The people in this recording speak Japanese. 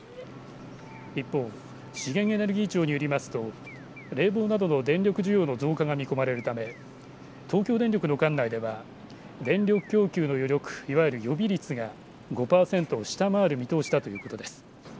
一方、資源エネルギー庁によりますと冷房などの電力需要の増加が見込まれるため東京電力の管内では電力供給の余力、いわゆる予備率が５％を下回る見通しだということです。